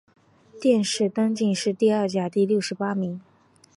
殿试登进士第二甲第六十八名。